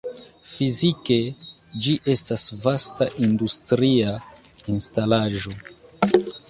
Fizike ĝi estas vasta industria instalaĵo.